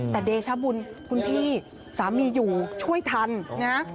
แต่เดชบุญคุณพี่สามีอยู่ช่วยทันนะ